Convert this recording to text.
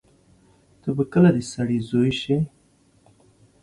ته به کله د سړی زوی سې.